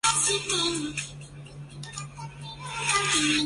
是上桥菜穗子异世界幻想小说的系列作品。